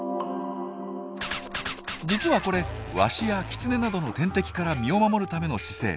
実はこれワシやキツネなどの天敵から身を守るための姿勢。